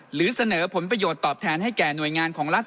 หรือเสนอผลประโยชน์ตอบแทนให้แก่หน่วยงานของรัฐ